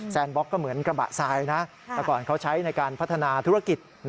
บล็อกก็เหมือนกระบะทรายนะแต่ก่อนเขาใช้ในการพัฒนาธุรกิจ